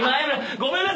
ごめんなさい！